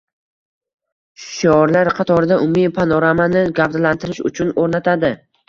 shiorlar qatorida umumiy panoramani gavdalantirish uchun o‘rnatadi.